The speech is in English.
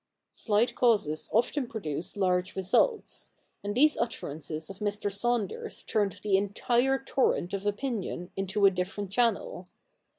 Slight causes often produce large results ; and these utterances of Mr. Saunders turned the entire torrent of CH. Ill] THE NEW REPUBLIC 29 opinion into a different channel.